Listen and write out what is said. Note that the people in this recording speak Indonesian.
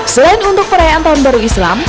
selain untuk perayaan tahun baru islam